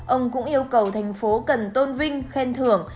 ông cũng yêu cầu thành phố cần tôn vinh khen thưởng